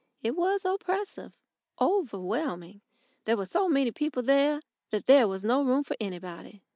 It was oppressive, overwhelming. There were so many people there that there was no room for anybody.